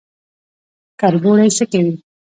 کربوړی څه کوي؟